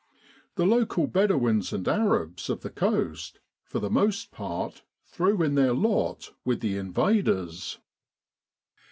The local Bedouins and Arabs of the coast for the most part threw in their lot with the invaders.